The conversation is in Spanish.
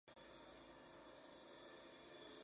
Floración mar.-nov.